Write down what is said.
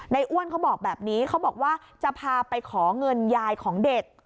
อ้วนเขาบอกแบบนี้เขาบอกว่าจะพาไปขอเงินยายของเด็ก